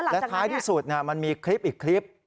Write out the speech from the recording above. และท้ายที่สุดมันมีคลิป